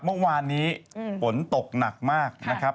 เมื่อวานนี้ฝนตกหนักมากนะครับ